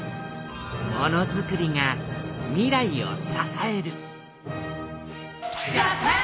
ものづくりが未来を支えるジャパン！